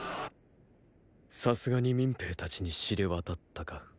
さすがに民兵たちに知れ渡ったか。